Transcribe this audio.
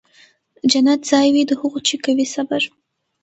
جنت ځای وي د هغو چي کوي صبر